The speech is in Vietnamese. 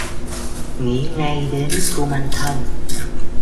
Nghĩ ngay đến kumanthong